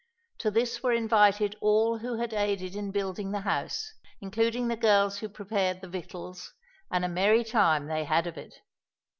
To this were invited all who had aided in building the house, including the girls who prepared the victuals; and a merry time they had of it.